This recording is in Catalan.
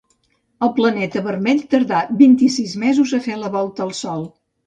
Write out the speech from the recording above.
El planeta vermell tarda vint-i-sis mesos a fer la volta al sol.